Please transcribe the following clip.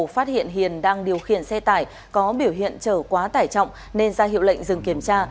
phát hiện hiền đang điều khiển xe tải có biểu hiện trở quá tải trọng nên ra hiệu lệnh dừng kiểm tra